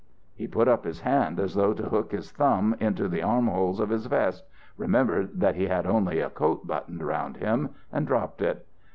"He put up his hand as though to hook his thumb into the armhole of his vest, remembered that he had only a coat buttoned round him and dropped it.